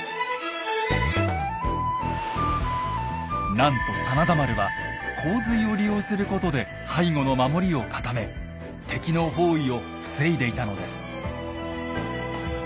なんと真田丸は洪水を利用することで背後の守りを固め敵の包囲を防いでいたのです。